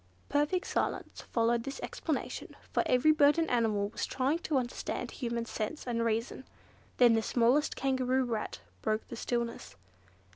Perfect silence followed this explanation, for every bird and animal was trying to understand human sense and reason. Then the smallest Kangaroo Rat broke the stillness.